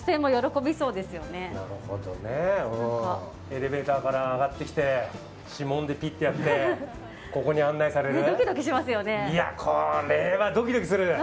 エレベーターから上がってきて指紋でピッてやってここに案内される。